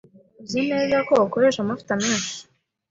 Uzi neza ko ukoresha amavuta menshi.